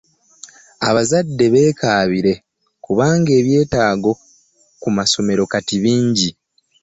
Abazadde beekabire kubanga ebyetaago ku masomero kati bingi.